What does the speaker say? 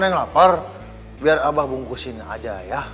yang lapar biar abah bungkusin aja ya